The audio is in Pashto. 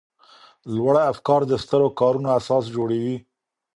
لوړ افکار د سترو کارونو اساس جوړوي.